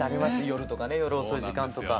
夜とかね夜遅い時間とか。